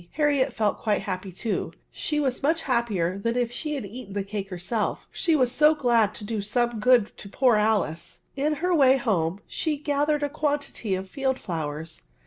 Harriet felt quite happy too : she was much happier than if she had. eaten the cake herself; she was so glad to do some good to poor Alice. In her way home she gathered a quantity of field flowers.